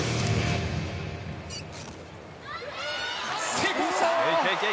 成功した！